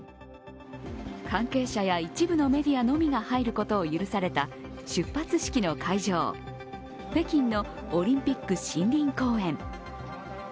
関係者や一部のメディアのみが入ることを許された出発式の会場、北京のオリンピック森林公園。